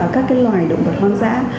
các loài động vật hoang dã